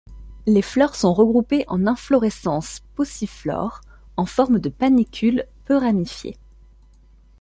Les fleurs sont regroupées en inflorescences pauciflores, en forme de panicules peu ramifiées.